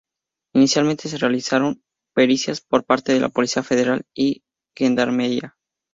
Inicialmente se realizaron pericias por parte de la Policía Federal y Gendarmería.